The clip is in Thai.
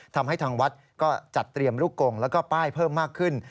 ทำให้ทางวัดก็จัดเตรียมลูกกงแล้วก็ป้ายเพิ่มมากขึ้น